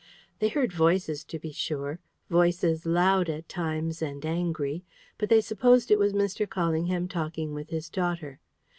They heard voices, to be sure voices, loud at times and angry, but they supposed it was Mr. Callingham talking with his daughter.